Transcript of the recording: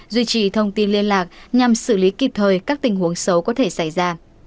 duy trì thông tin liên lạc nhằm xử lý kịp thời các tình huống xấu có thể xảy ra